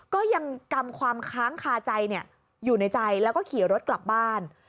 ก็ยังกำความค้างคาใจอยู่ในใจแล้วก็ขี่รถกลับบ้าน